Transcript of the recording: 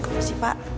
terus sih pak